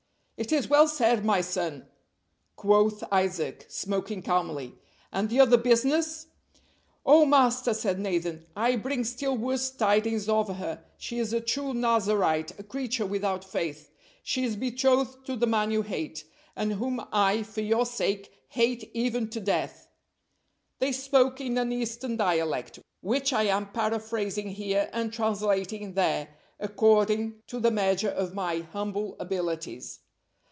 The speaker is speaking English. "It is well said, my son," quoth Isaac, smoking calmly, "and the other business?" "Oh, master!" said Nathan, "I bring still worse tidings of her. She is a true Nazarite, a creature without faith. She is betrothed to the man you hate, and whom I, for your sake, hate even to death." They spoke in an Eastern dialect, which I am paraphrasing here and translating there, according to the measure of my humble abilities.